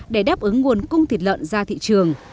để đáp ứng nguồn cung thịt lợn ra thị trường